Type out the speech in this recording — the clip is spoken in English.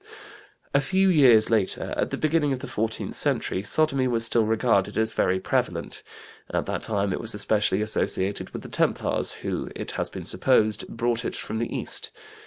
A few years later, at the beginning of the fourteenth century, sodomy was still regarded as very prevalent. At that time it was especially associated with the Templars who, it has been supposed, brought it from the East.